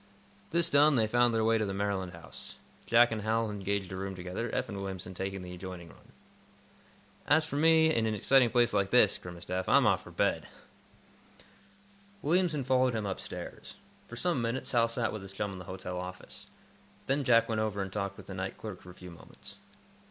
This done, they found their way to the Maryland House. Jack and Hal engaged a room together, Eph and Williamson taking the adjoining one. "As for me, in an exciting place like this," grimaced Eph, "I'm off for bed." Williamson followed him upstairs. For some minutes Hal sat with his chum in the hotel office. Then Jack went over and talked with the night clerk for a few moments.